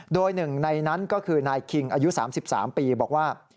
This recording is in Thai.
โดยหนึ่งในนั้นก็คือนายคิงอายุ๓๓ปีบอกว่า